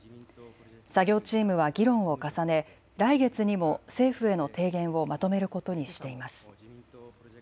作業チームは議論を重ね来月にも政府への提言をまとめることにしています。